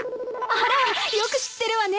あらよく知ってるわね！